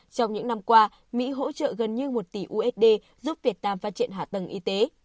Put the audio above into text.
trong những năm qua mỹ hỗ trợ gần như một tỷ usd giúp việt nam phát triển hạ tầng y tế